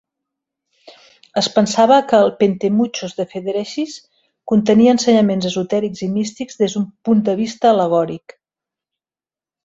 Es pensava que el "Pentemuchos" de Ferècides contenia ensenyaments esotèrics i místics des d'un punt de vista al·legòric.